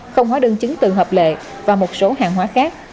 không hóa đơn chứng từ hợp lệ và một số hàng hóa khác